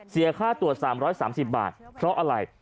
เสียค่าตรวจ๓๓๐บาทเพราะอะไร